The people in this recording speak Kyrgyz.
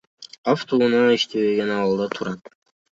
Автоунаа иштебеген абалда турат.